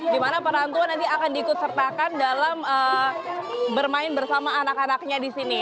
di mana para orang tua nanti akan diikut sertakan dalam bermain bersama anak anaknya di sini